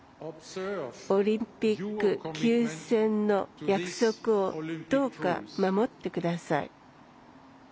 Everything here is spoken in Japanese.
オリンピック休戦の約束をどうか守ってください。